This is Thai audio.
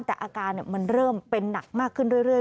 แต่อาการมันเริ่มเป็นหนักมากขึ้นเรื่อย